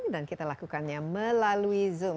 dan kita lakukannya melalui zoom